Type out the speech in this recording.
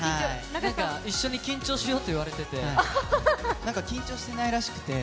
一緒に緊張しようと言われていてなんか緊張してないらしくて。